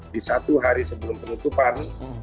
di satu hari sebelum penutupan